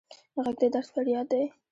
غږ د درد فریاد دی